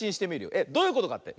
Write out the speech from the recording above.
えっどういうことかって？